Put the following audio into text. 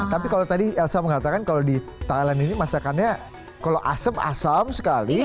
tapi kalau tadi elsa mengatakan kalau di thailand ini masakannya kalau asem asam sekali